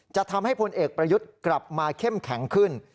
จะทำให้พลเอกประยุทธ์กลับมาเข้มแข็งขึ้น